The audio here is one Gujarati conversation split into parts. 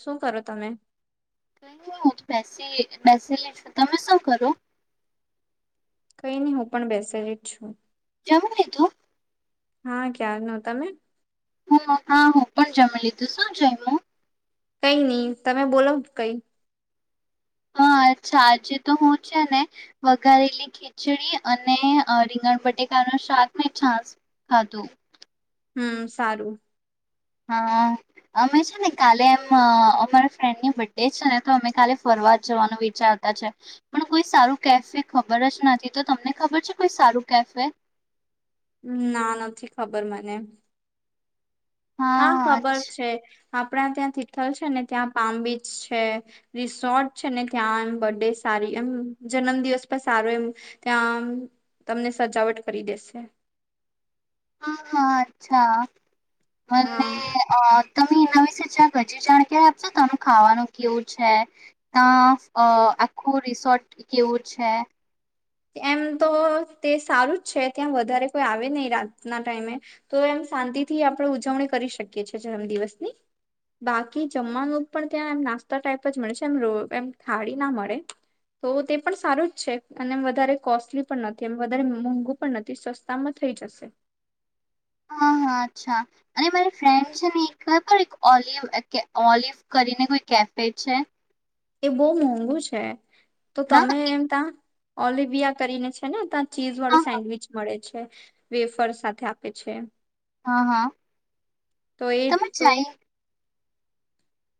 શું કરો તમે? ક બેસેલી છું તમે શું કરો? કઈ નહી હું પણ બેસેલી જ છું. જમી લીધું? હા ક્યારનું તમે? હ હા હું પણ જમ લીધું શું શું જાયમી? કઈ નહી તમે બોલો કઈ. હા ચાજ તો હું છે ને, વઘારેલી ખીચડી અને રીંગણ બટેકા ન શાક ને છાસ ખાધું. હમ સારું. હા અમે છે ને કાલે એમ અમારા ફ્રેન્ડની બર્ ડે છે ને તો અમે કાલે ફરવા જ જવાનું વિચારતા છે પણ કોઈ સારું કેફે ખબર જ નથી, તો તમને ખબર છે કોઈ સારું કેફે? હ ના નથી ખબર મને. હા ખબર છે. આપણા ત્યાં તિથલ છે, ને ત્યાં પામ બીચ છે, રિસોર્ટ છે ને ત્યાં બર્ ડે સારી એમ જન્મ દિવસ પણ સારો એમ ત્યાં તમને સજાવટ કરી દેશે. હા હા અચ્છા. અને હા અ તમે એના વિશે ચ્યાંક હજી જાણકારી આપશો તનું ખાવાનું કેવું છે ત્યાં આખું રિસોર્ટ કેવું છે? એમ તો તે સારું જ છે ત્યાં વધારે કોઈ આવે નહી રાતના ટાઈમે, તો એમ શાંતિ થી આપણે ઉજવણી કરી શકીએ છીએ, જન્મદિવસની બાકી જમવાનું પણ ત્યાં એમ નાસ્તા ટાઈપ જ મળે છે, એમ એમ ખાડી ના મળે તો તે પણ સારું જ છે, અને વધારે કોસ્ટલી પણ નથી એ વધારે મોંઘું પણ નથી સસ્તામાં થઈ જશે. હા, હા, અચ્છા અને મારી ફ્રેન્ડ છે ને એક ખબર એક ઓલિવ, ઓલિવ કરીને કોઈ કેફે છે એ બહુ મોંઘું છે તો ના તમે એમ ત્યાં ઓલબિયા કરીને છે ને ચીઝ વાળો હા સેન્ડવિચ મળે છે છે, વેફર સાથે આપે છે હા હા તો એ તમે તો ચાઈ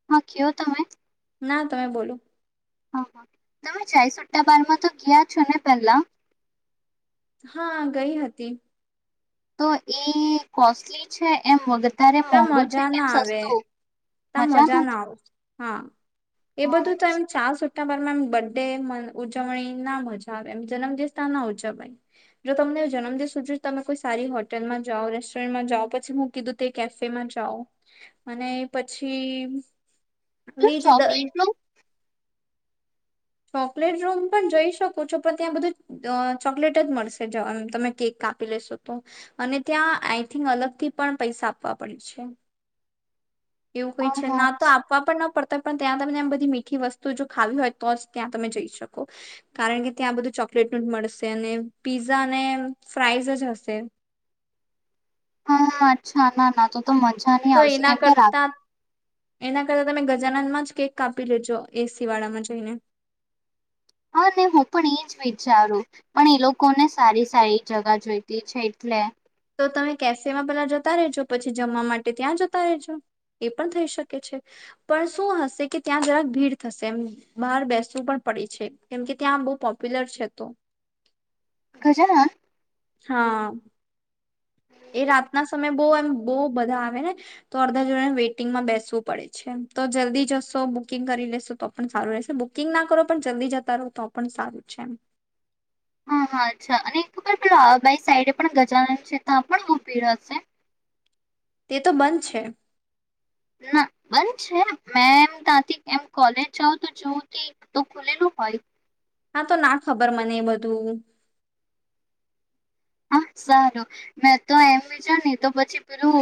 હા કેયો તમે ના તમે બોલો હ હ તમે જાય સટ્ટાબારમાં તો ગયા છો ને પહેલા હા ગઈ હતી તો એ કોસ્ટલી છે એમ વગર તારે મોંઘું છે કેમ સસ્તું ત્યા મજા મજામાં ના આવ હા એ બધું તો એમ ચા સુ વારમ બર્ ડે ઉજવણી ના મજા આવે એમ જન્મદિવસ ત્યા ના ઉજવવાણી જો તમને જન્મદિવસ ઉજ્યો તમે કોઈ સારી હોટેલમાં જાઓ રેસ્ટોરન્ટમાં જાઓ પછી હું કીધું તે કેફેમાં જાઓ મ પછી બીજ [inaudible] ચોકલેટ રૂમ પણ જઈ શકો છો પણ ત્યાં બધું ચોકલેટ જ મળશે જવામ તમે કેક કાપી લેશો તો અને ત્યાં આઈ થિંક અલગથી પણ પૈસા આપવા પડે છે એવું કઈ હા છે હા ના તો આપવા પણ ના પડ પણ ત્યાં તમને એમ બધી મીઠી વસ્તુ જો ખાવી હોય તો જ ત્યાં તમે જઈ શકો કારણ કે ત્યાં બધું ચોકલેટનું જ મળશે અને પીઝા અને ફ્રઇઝ જ હશે હા હા અચ્છા ના ના તો તો મજા નહી તો આવશે એના કેમ કે રાખ કરતા એના કરતા તમે ગજાનનમાં જ કેક કાપી લેજો એસી વાળામાં જઈને હા ને હું પણ એજ વિચારું પણ એ લોકોને સારી સારી જગા જોઈતી છે એટલે તો તમે કેફેમાં પેલા જતા રજો પછી જમવા માટે ત્યાં જતા રહેજો એ પણ થઈ શકે છે પણ શું હશે કે ત્યાં જરાક ભીડ થશે એમ બહાર બેસવું પણ પડી છે કેમ કે ત્યાં બહુ પોપ્યુલર છે તો ગજાનન હા એ રાતના સમયે બહુ એમ બહુ બધા આવે ને તો અડધા જોડ વેઇટિંગમાં બેસવું પડે છે તો જલ્દી જશો બુકિંગ કરી લેશો તો પણ સારું રહેશે બુકિંગ ના કરો પણ જલ્દી જતા રહો તો પણ સારું છે એમ હા હા અચ્છા અને ખબર પેલો બાઈ સાઈડે પણ ગજાન છેતાં પણ ભી હશે તે તો બંધ છે ના બંધ છે મેં એમ ત્યાથી એમ કોલેજ જાવ તો જોવું ત તો ખુલેલું હોય હા તો ના ખબર મને એ બધું હા સારું મે તો એમ બી છે ને તો પછી પેલું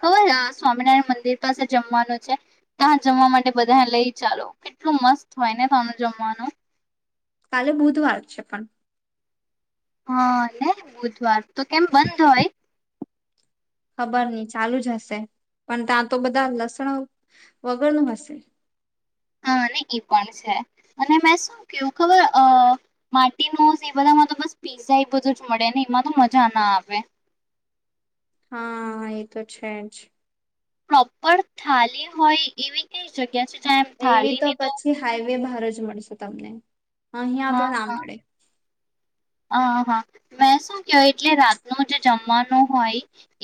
ખબર સ્વામિનારાયણ મંદિર પાસે જમવાનું છે ત્યા જમવા માટે બધા લઈ ચાલો કેટલું મસ્ત હોય ને તનું જમવાનું કાલે બુધવાર છે પણ હા ને બુધવાર તો કેમ બંધ હોય ખબર નહી ચાલુ જ હશે પણ ત્યાં તો બધા લસણ વગરનું હશે હા એ પણ છે અને મેં શું કેું ખબર માટીનોઝ એ બધામાં તો બસ પીઝા એ બધો જ મળે ને એમાં તો મજા ના આવે હા એ તો છે જ પ્રોપર થાલી હોય એવી કઈ જગ્યા છે જ્યાં એમ એવી થાલી તો ની પછી હાઈ મહારાજ મળશે તમને અહિયાં તો ના મળે હ હા મેં શું કય એટલે રાતનો જે જમવાનું હોય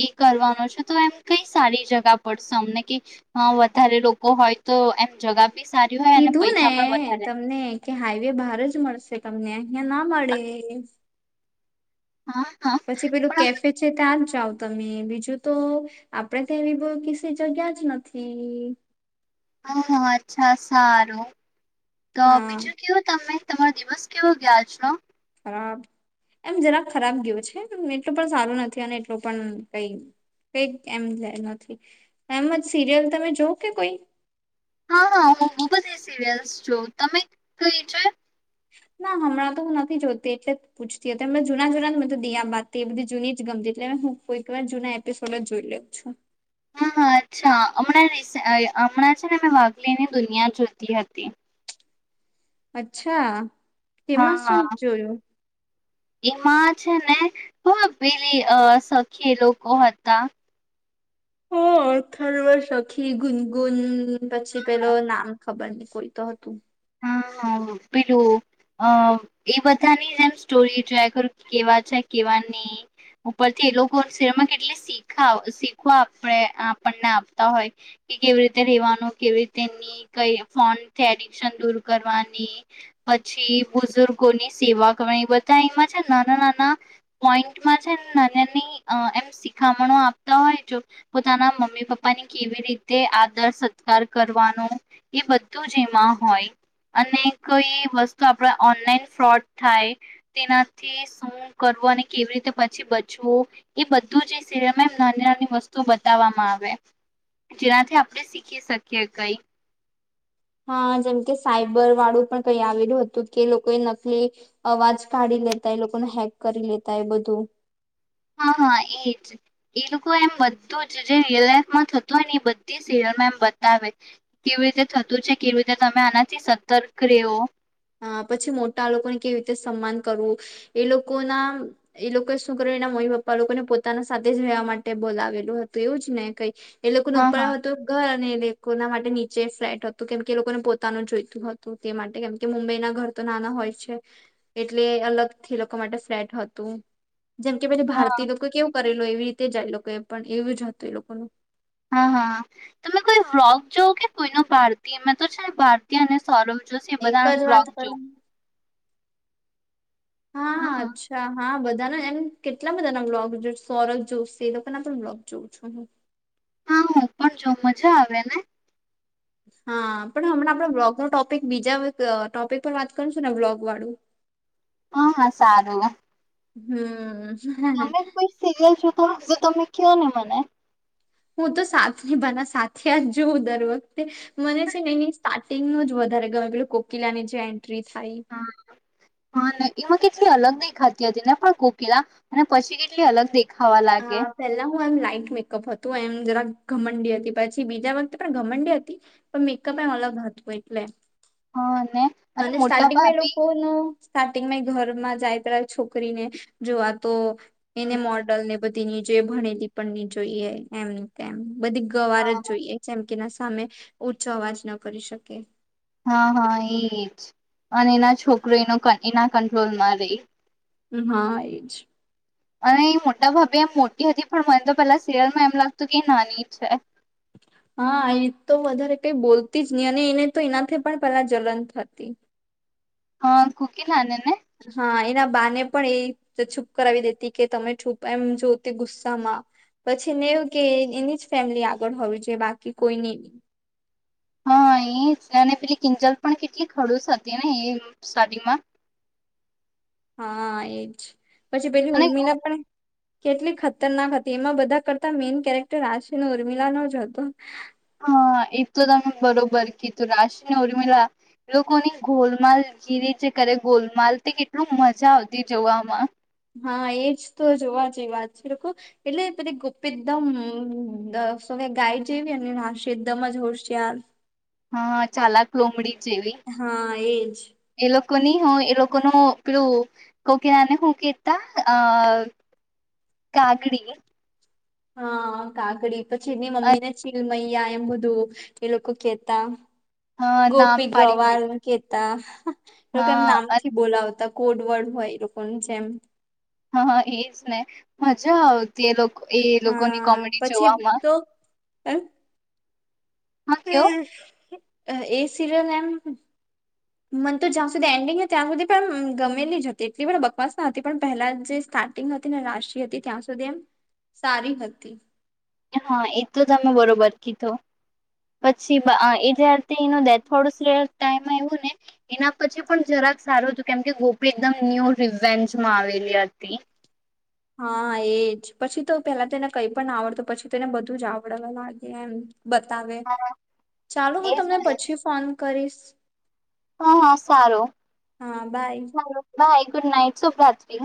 એ કરવાનો છે તો એમ કઈ સારી જગા પડશે અમને કે હ વધારે લોકો હોય તો એમ જગા બી સારી હોય અને કીધું ને પૈસા પણ વધારે તમને કે હાઈવે બહાર જ મળશે તમને અહં ના મળે હા હા પછી પેલું પણ કેફે છે ત્યા આમ જાાવ તમે બીજું તો આપડે ત્યાંવી બ કિસી જગ્યા જ નથી, હા હા અચ્છા સારું તો હા બીજું કેવું તમે તમારો દિવસ કેવો ગયા આજનો ખરાબ એમ જરાક ખરાબ ગયું છે, એટલું પણ સારું નથી અને એટલું પણ કઈ કઈ એમ નથી એમજ સિરિયલ તમે જો કે કોઈ હા હા હું બ બધી સિરિયલ્સ છું તમે કઈ છે, ના હમણાં તો હું નથી જોતી એટલે પૂછતી હતીમ જૂના જૂનાધ દી આ બાત એ બધી જૂની જ ગમતી એટલે હુંવાર જૂના એપિસોડ જોઈ લઉ છું. હા હા અચ્છા હમણાં હમણાં છે, ને મે વાઘલીની દુનિયા જોતી હતી અચ્છા હા તેમાં શું હા જોયું? એમાં છે ને બ પેલી અ સખી લોકો હતા, હ ખારવા સખી ગુનગુન, પછી પેલો નામ ખબર નહી કોઈ તો હતું, હ પેલું અ એ બધાની જેમ સ્ટોરી જોયા કરું કેવા છે, કેવા નહી ઉપરથી એ લોકોિમાં કેટલીી શીખવા આપણે આપણને આપતા હોય, કે કેવી રીતે રેવાનું કેવી રીતેની કઈ ફોનથી કરવા પછી બુઝુર્ગોની સેવા કરવાની બધા એમાં છે નાના નાના પોઈન્ટમાં છે, નાનાની એમ શિખામણો આપતા હોય, જો પોતાના મમ્મી પપ્પાની કેવી રીતે આદર સત્કાર કરવાનો, એ બધું જ એમાં હોય અને કઈ વસ્તુ આપણે ઓનલાઈન ફ્રોડ થાય તેનાથી શું કરવું અને કેવી રીતે, પછી બચવું એ બધું જ છેમાં એમ નાની નાની વસ્તુ બતાવવામાં આવે જેનાથી આપણે શીખી શકીએ કઈ. હા જેમ કે સાયબર વાળું પણ કઈ આવેલું હતું, કે લોકોએ નકલી અવાજ કાઢી લેતાય લોકોને હેક કરી લેતા એ બધું હા હા એજ એ લોકો એમ બધું જ જે રિયલ લાઈફમાં થતું હોય, ને એ બધી સીરયલમાં એમ બતાવે કેવી રીતે થતું છે, કેવી રીતે તમે આનાથી સતર્ક રહેવો. અ પછી મોટા લોકોને કેવી રીતે સન્માન કરવું, એ લોકોના એ લોકોએ શું કર્યું એના મમ્મી પપ્પા લોકોને પોતાના સાથે જ રહેવા માટે બોલાવેલું હતું, એવું જ ને કઈ એ લોકો ન હા હા ઉપાાય હતો ઘર અને લોકો ના માટે નીચે ફ્લેટ હતું કેમ કે એ લોકોને પોતાનું જોઈતું, હતું તે માટે કેમ કે મુંબઈ ના ઘર તો નાના હોય છે, એટલે અલગથી લોકો માટે ફ્લેટ હતું. જેમ કે પને હા ભારતીય લોકો કેવું કરેલો એવી રીતે જાય લોકો પણ એવું જ હતું, એ લોકોનું હા હા તમે કોઈ વ્રોક જોઓ કે કોઈનો ભારતીય મેં તો છે, ભારતી અને સૌરભ જોશે એક બધા જ વાત બ્લોગ કર જો હા અચ્છા હા બધા બા એમ કેટલા બધા ના બ્લોગ સૌરજ જોશે એ લોકો ના પણ બ્લોગ જોઉં છું હું હા હું પણ જો મજા આવે ને હા, પણ હમણાં આપણા બ્લોગનો ટોપિક બીજા ટોપિક પર વાત કરું છું, ને બ્લોગ વાળું હા હ સાારંગ હમ્મ તમે કોઈ સિરિયલ જે તમે કઓ નિને મને હું તો સા ન બના સાથે આ જ જોઉં દરરોજ મને છે ને એ સ્ટા- ટીગ નું જ વધારે ગમે પેલું કોકીલાની છે. હા, હા ને એમાં કેટલી અલગ દેખાતી હતી તેને પણ કોકિલા અને પછી કેટલી અલગ દે હા, પેલા હું એમ લા એક મેકઅપ હતું એમ જરા ઘમંડી હતી, પછી બીજા વખતે પણ ઘમંડી હતી મેકઅપ એ અલગ હતું એક લે હા, ને અને મોટા સ્ટાર્ટિંગ માં એ ભાભી લોકોનું સ્ટાર્ટિંગમાં એ ઘરમાં જાય ત્યારે, છોકરીને જોવા તો એને મોડલ ને બધ ની જોઈ, ભણેલી પણ ની જોઈએ એમ, તેમ બધી ગવાર જ જોઈએ જેમ એના સામે, ઉંચો અવાજ ન કરી શકે. હા હા એજ, અને એના છોકરો એનો એના કંટ્રોલમાં રેય. હા એજ. અને એ મોટા ભાભી એમ મોટી હતી પણ મને તો પેલા સિરિયલમાં એમ લાગતું કે એ નાની છે. હા એ તો વધારે કઈ બોલતી જ ની અને એને તો એનાથી પણ પેલા જલન થતી. હા કોકિલા ને ને? હા, એના બાને પણ એ છુપ કરાવી દેતી કે તમે છૂપ એમ જોતી ગુસ્સામાં, પછી એવુ કે એની જ ફેમિલી આગળ હોવી જોઈએ બાકી કોઈની. હા! એજ અને પેલી કિંજલ પણ કેટલી ખડુસ હતી ને એ સ્ટાર્ટિંગમાં. હા એજ. પછી પેલી અને ઉરમીલા પણ કેટલી ખતરનાક હતી એમાં બધા કરતા મેઈન કેરેક્ટર રાશિ અને ઉર્મિલાનો જ હતુ. હા, એ તો તમે બરોબર કીધું રાશિને ઉર્મિલા, લોકોની ગોલમાલ જીરે જે કરે ગોલમાલ તે કેટલું મજા આવતી જોવામાં. હા એજ તો જોવા જે વાત છે લોકો એટલે પેલી ગોપી એકદમ અ શું કેવાય, ગાય જેવી અને રાશિ એકદમ જ હોશયાર. હા ચાલક લોમડી. હા એજ. કોની હું એ લોકોનું પેલું, કોકીલાને હું કેતા અ કાગડી. હા કાગડી. પછી એની મમ્મી ને ચીલમય એમ બધુ, એ લોકો કેતા. હા નામ ગોપી પાડી ગવાર મૂક્યું કેતા, એવુ કઈ નામ હા થી બોલાવતા. કોડ વર્ડ હોય એ લોકોની જેમ. હા! એજ ને, મજા આવતી એ લોક હા પછી તો અ હા કયો હમ [unintelligible] એ સિરિયલ એમ મન તો જ્યાં સુધી એન્ડિંગ ત્યાં સુધી પણ ગમેલી જ હતી એટલી પણ બકવાસ ના હતી પણ પહેલા જે સ્ટાર્ટિંગ હતી ને રાશિ હતી ત્યાં સુધી એમ સારી હતી. હા એ તો તમે બરોબર કીધૂ, પછી એ જ્યારે એનો ડેથડો ટમ આવું ને એના પછી પણ જરાક સારું હતું, કેમ કે ગોપી એકદમ ન્યૂ રવેન્જમાં આવેલી હતી. હા એજ પછી તો પેલા તેને કઈ પણ આવડતું પછી તેને બધું જ આવડવા લાગે એમ. બતાવે, હા ચાલો હું એજ તમને ને. પછી ફોન કરીશ. હા હા સારું, હા બાય સારૂ બાય. ગુડ નાઈટ શુભ રાત્ર્રી.